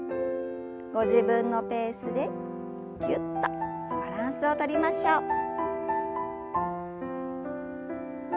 ご自分のペースでぎゅっとバランスをとりましょう。